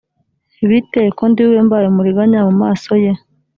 bite ko ndi bube mbaye umuriganya mu maso ye